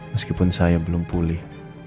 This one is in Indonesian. meskipun saya belum pulih